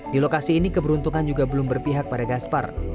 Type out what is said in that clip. di lokasi ini keberuntungan juga belum berpihak pada gaspar